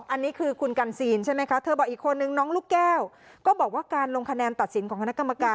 อันนี้คือคุณกันซีนใช่ไหมคะเธอบอกอีกคนนึงน้องลูกแก้วก็บอกว่าการลงคะแนนตัดสินของคณะกรรมการ